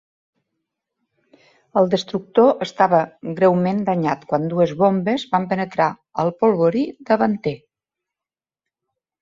El destructor estava greument danyat quan dues bombes van penetrar el polvorí davanter.